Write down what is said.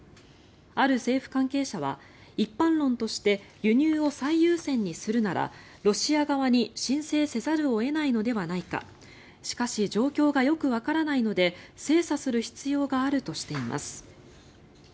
ある政府関係者は、一般論として輸入を最優先にするならロシア側に申請せざるを得ないのではないかしかし状況がよくわからないので精査する必要があるとしています。